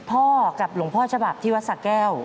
กับหลวงพ่อฉบับที่วัดสะแก้ว